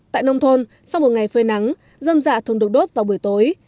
tại nông thôn sau một ngày phơi nắng dâm dạ thường được đốt vào buổi tối